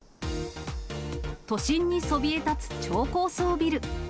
都心にそびえ立つ超高層ビル。